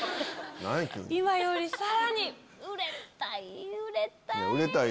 今よりさらに売れたい売れたい！